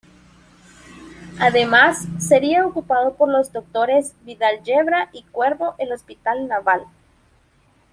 Además sería ocupado por los doctores Vidal Yebra y Cuervo el Hospital Naval.